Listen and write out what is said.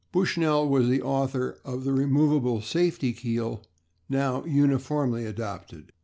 Bushnell was the author of the removable safety keel now uniformly adopted.